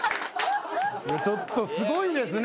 ちょっとすごいですね